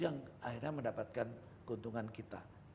yang akhirnya mendapatkan keuntungan kita